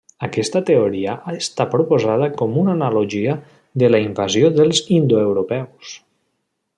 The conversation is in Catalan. Aquesta teoria ha estat proposada com una analogia de la invasió dels indoeuropeus.